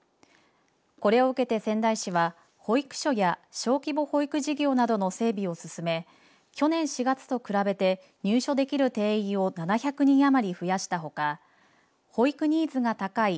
これを受けて仙台市は保育所や小規模保育事業などの整備を進め去年４月と比べて入所できる定員を７００人余り増やしたほか保育ニーズが高い